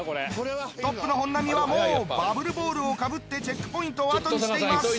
トップの本並はもうバブルボールをかぶってチェックポイントを後にしています。